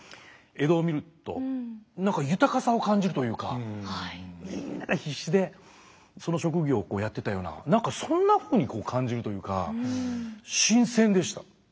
江戸を見ると何か豊かさを感じるというかみんなが必死でその職業をこうやってたような何かそんなふうに感じるというか新鮮でした。